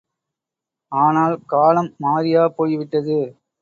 ஆனால், காலம் மாறியா போய் விட்டது?